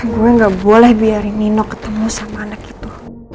gue gak boleh biarin nino ketemu sama anak itu